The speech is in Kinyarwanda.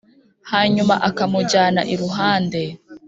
hanyuma akamujyana iruhande,